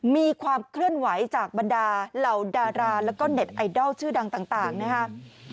มีความเคลื่อนไหวจากบรรดาเหล่าดาราแล้วก็เน็ตไอดอลชื่อดังต่างนะครับ